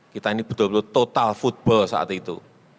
kita ini betul betul total football saat itu